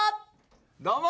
どうも！